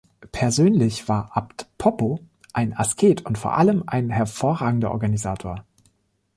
Persönlich war Abt Poppo ein Asket und vor allem ein hervorragender Organisator.